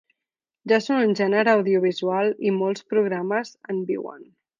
Ja són un gènere audiovisual i molts programes en viuen.